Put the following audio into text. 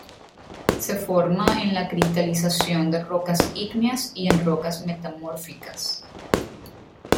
Se forma en la cristalización de rocas ígneas y en rocas metamórficas.